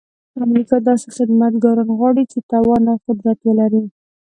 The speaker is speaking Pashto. امریکا داسې خدمتګاران غواړي چې توان او قدرت ولري.